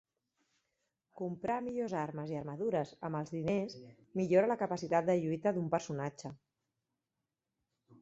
Comprar millors armes i armadures amb els diners millora la capacitat de lluita d'un personatge.